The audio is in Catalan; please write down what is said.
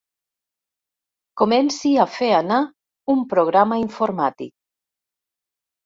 Comenci a fer anar un programa informàtic.